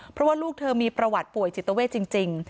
เพราะว่าลูกเธอมีประวัติป่วยจิตเวทจริง